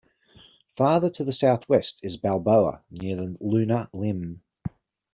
Farther to the southwest is Balboa, near the lunar limb.